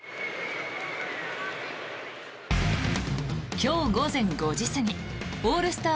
今日午前５時過ぎオールスター